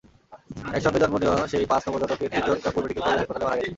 একসঙ্গে জন্ম নেওয়া সেই পাঁচ নবজাতকের তিনজন রংপুর মেডিকেল কলেজ হাসপাতালে মারা গেছে।